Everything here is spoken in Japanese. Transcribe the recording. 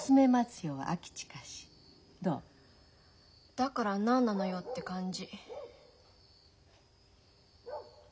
だから何なのよって感じ。